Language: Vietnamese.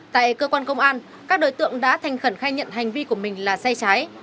tại cơ quan công an các đối tượng đã thành khẩn khai nhận hành vi của mình là sai trái